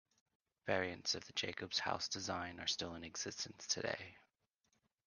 Variants of the Jacobs House design are still in existence today.